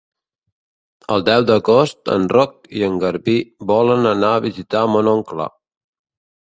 El deu d'agost en Roc i en Garbí volen anar a visitar mon oncle.